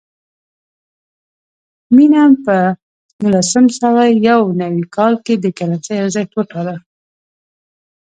مینم په نولس سوه یو نوي کال کې د کرنسۍ ارزښت وتاړه.